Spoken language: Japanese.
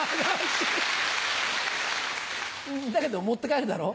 だけど持って帰るだろ？